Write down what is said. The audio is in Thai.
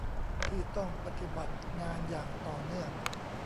ที่ต้องปฏิบัติงานอย่างต่อเนื่อง